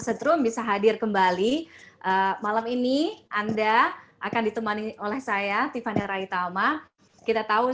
setrum bisa hadir kembali malam ini anda akan ditemani oleh saya tiffany raitama kita tahu